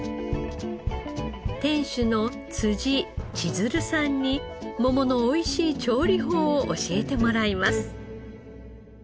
店主の辻千鶴さんに桃のおいしい調理法を教えてもらいます。